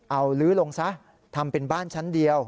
เอาลื้อลงซะทำเป็นบ้านชั้นเดียว